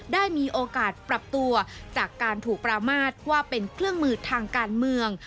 ได้มีโอกาสปรับตัวจากการถูกประมาทว่าเป็นเครื่องมือทางการเมือง